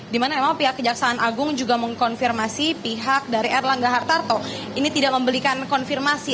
dimana memang pihak kejaksaan agung juga mengkonfirmasi pihak dari erlangga hartarto ini tidak membelikan konfirmasi